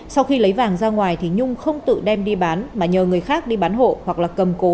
sau khi lấy vàng ra ngoài thì nhung không tự đem đi bán mà nhờ người khác đi bán hộ hoặc là cầm cố